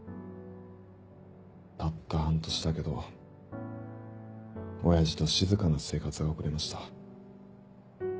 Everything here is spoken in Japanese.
たった半年だけど親父と静かな生活が送れました。